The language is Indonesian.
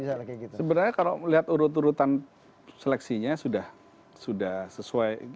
sebenarnya kalau melihat urutan urutan seleksinya sudah sesuai